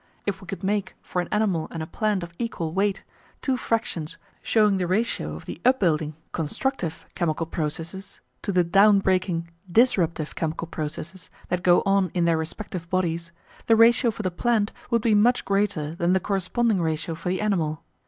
If we could make for an animal and a plant of equal weight two fractions showing the ratio of the upbuilding, constructive, chemical processes to the down breaking, disruptive, chemical processes that go on in their respective bodies, the ratio for the plant would be much greater than the corresponding ratio for the animal.